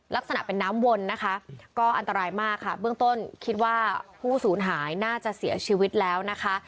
ลักษณะเป็นน้ำวนนะคะก็อันตรายมากค่ะเบื้องต้นคิดว่าผู้สูญหายน่าจะเสียชีวิตแล้วนะคะ